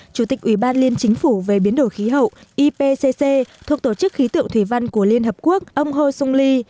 chủ tịch ủy ban liên chính phủ về biến đổi khí hậu ipcc thuộc tổ chức khí tựu thủy văn của liên hợp quốc ông hồ xuân ly